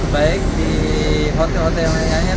baik di hotel hotel yang lain lain